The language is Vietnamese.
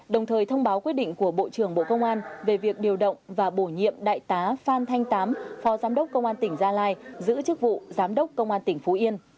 đồng thời thông báo quyết định của bộ trưởng bộ công an về việc điều động và bổ nhiệm đại tá phan thanh tám phó giám đốc công an tỉnh gia lai giữ chức vụ giám đốc công an tỉnh phú yên